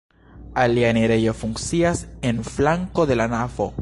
Alia enirejo funkcias en flanko de la navo.